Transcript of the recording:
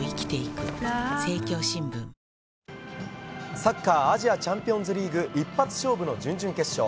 サッカーアジアチャンピオンズリーグ一発勝負の準々決勝。